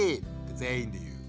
全員で言う。